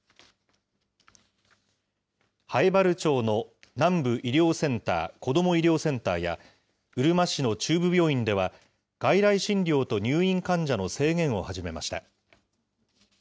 南風原町の南部医療センター・こども医療センターや、うるま市の中部病院では、外来診療と入院患者の制限を始めました。